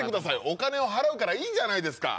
お金を払うからいいじゃないですか。